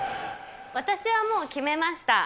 私はもう、決めました。